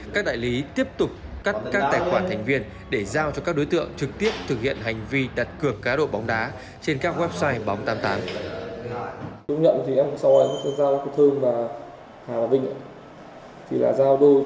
các đại lý tiếp tục cắt các tài khoản thành viên để giao cho các đối tượng trực tiếp thực hiện hành vi đặt cược cá độ bóng đá trên các website bóng tám mươi tám